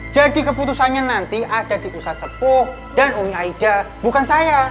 jadi keputusannya nanti ada di ustadz sepuh dan umi aida bukan saya